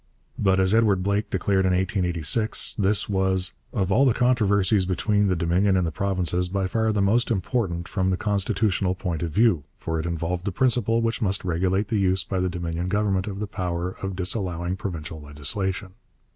But, as Edward Blake declared in 1886, this was 'of all the controversies between the Dominion and the provinces, by far the most important from the constitutional point of view, for it involved the principle which must regulate the use by the Dominion Government of the power of disallowing provincial legislation.'